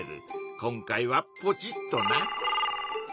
今回はポチッとな！